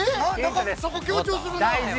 ◆そこ強調するなー。